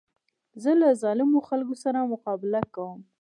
زه له ظالمو خلکو سره مقابله کوم.